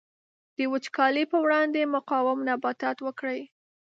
د وچکالۍ پر وړاندې مقاوم نباتات وکري.